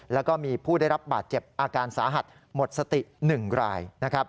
แล้วก็มีผู้ได้รับบาดเจ็บอาการสาหัสหมดสติ๑รายนะครับ